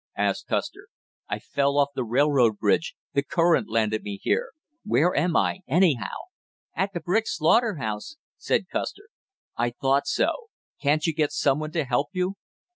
asked Custer. "I fell off the railroad bridge, the current landed me here; where am I, anyhow?" "At the brick slaughter house," said Custer. "I thought so; can't you get some one to help you?"